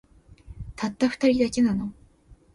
たった二人だけの